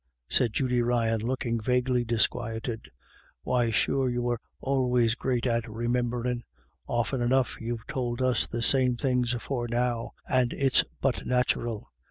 said Judy Ryan, look ing vaguely disquieted ; "why sure, you were always great at remimberin ,; often enough youVe tould us the same things afore now ; and it's but nathural.